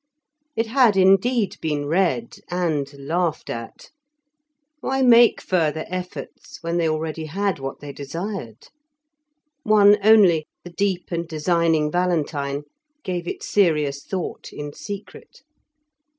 It had indeed, been read and laughed at. Why make further efforts when they already had what they desired? One only, the deep and designing Valentine, gave it serious thought in secret.